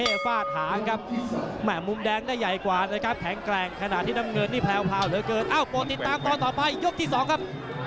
ดรน็อตกลับมานั่งชมมวยทุกสัปดาห์ครับ